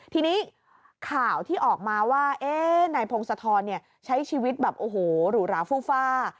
ทีนี้ข่าวที่ออกมาว่านายพงศธรใช้ชีวิตแบบโอ้โหหรูหราฟูฟ่า